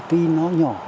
tuy nó nhỏ